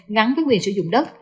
ngắn với quyền sử dụng đất